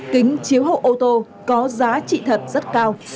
kính chiếu hậu ô tô có giá trị thật rất cao